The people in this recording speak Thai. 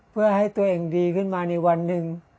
เพื่อให้ตัวเองดีขึ้นมาในวันหนึ่ง